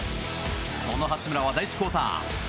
その八村は第１クオーター。